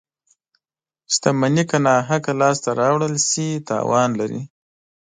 • شتمني که ناحقه لاسته راوړل شي، تاوان لري.